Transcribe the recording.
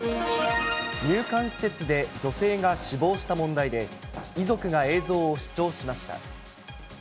入管施設で女性が死亡した問題で、遺族が映像を視聴しました。